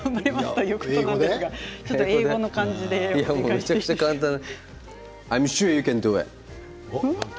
めちゃくちゃ簡単な。